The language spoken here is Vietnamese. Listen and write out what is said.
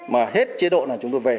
mà hết chế độ là chúng tôi về